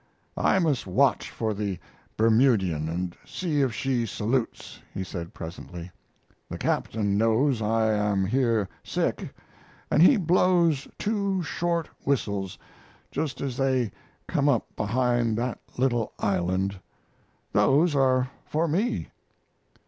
"I must watch for the Bermudian and see if she salutes," he said, presently. "The captain knows I am here sick, and he blows two short whistles just as they come up behind that little island. Those are for me."